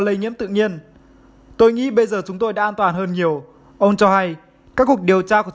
lây nhiễm tự nhiên tôi nghĩ bây giờ chúng tôi đã an toàn hơn nhiều ông cho hay các cuộc điều tra của